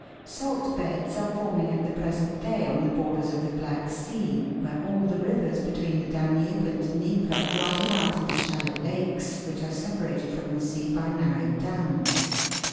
Salt beds are forming at the present day on the borders of the Black Sea, where all the rivers between the Danube and Dnieper widen out into shallow lakes, which are sepa rated from the sea by narrow dams.